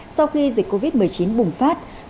sau khi dịch covid một mươi chín bùng phát